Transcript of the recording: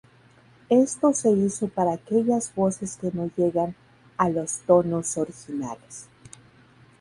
Esto se hizo para aquellas voces que no llegan a los tonos originales.